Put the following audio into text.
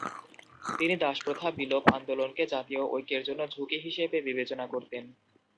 তিনি দাসপ্রথা বিলোপ আন্দোলনকে জাতীয় ঐক্যের জন্য ঝুঁকি হিসেবে বিবেচনা করতেন।